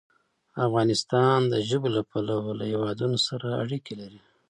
افغانستان د ژبو له پلوه له هېوادونو سره اړیکې لري.